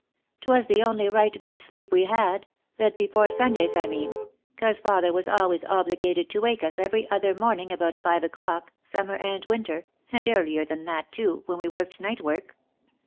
'Twas the only right good sleep we had, that before Sundays I mean, 'cause father was always obligated to wake us every other morning afore five o'clock, summer and winter, and earlier than that too, when we worked night work.